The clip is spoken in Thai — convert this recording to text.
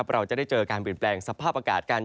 เราจะได้เจอการเปลี่ยนแปลงสภาพอากาศกัน